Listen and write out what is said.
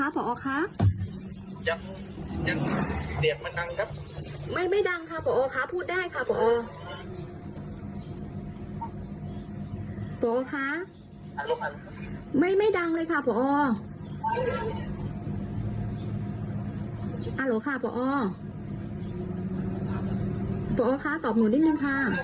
ผู้อำนวยการโรงเรียน